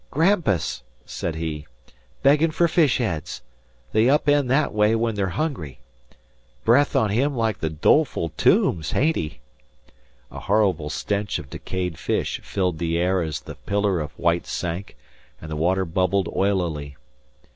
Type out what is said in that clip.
"Grampus," said he. "Beggin' fer fish heads. They up eend the way when they're hungry. Breath on him like the doleful tombs, hain't he?" A horrible stench of decayed fish filled the air as the pillar of white sank, and the water bubbled oilily.